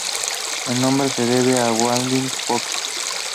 El nombre se debe a Vladimir Fock.